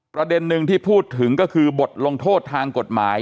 ประเด็นหนึ่งที่พูดถึงก็คือบทลงโทษทางกฎหมาย